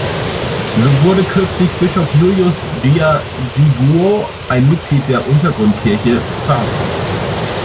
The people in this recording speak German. So wurde kürzlich Bischof Julius Jia Zhiguo, ein Mitglied der Untergrundkirche, verhaftet.